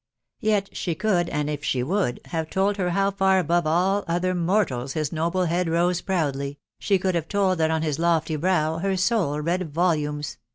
Yet "she could an if she would" have told her how far above all other mortals his noble head rose proudly, .... she could have told that on his lofty brow her soul read volumes